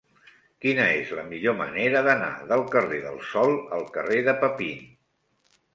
Quina és la millor manera d'anar del carrer del Sol al carrer de Papin?